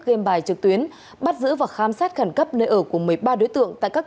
game bài trực tuyến bắt giữ và khám xét khẩn cấp nơi ở của một mươi ba đối tượng tại các